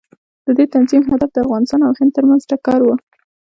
د دې تنظیم هدف د افغانستان او هند ترمنځ ټکر و.